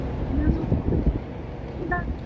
其言论在网路上引起轩然大波。